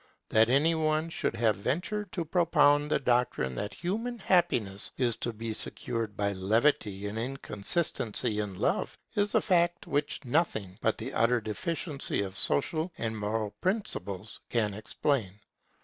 That any one should have ventured to propound the doctrine that human happiness is to be secured by levity and inconsistency in love, is a fact which nothing but the utter deficiency of social and moral principles can explain.